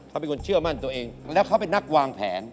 เขาเป็นคนเชื่อมั่นตัวเองแล้วเขาเป็นนักวางแผน